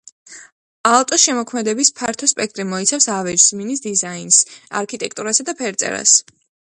აალტოს შემოქმედების ფართო სპექტრი მოიცავს ავეჯს, მინის დიზაინს, არქიტექტურასა და ფერწერას.